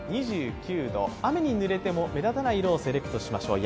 ２９度、雨にぬれても目立たない色をセレクトしましょう。